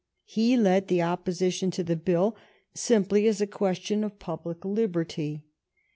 He led the opposition to the bill simply as a question of public liberty.